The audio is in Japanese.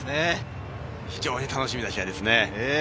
非常に楽しみな試合ですね。